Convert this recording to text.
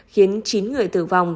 khiến chín người tử vong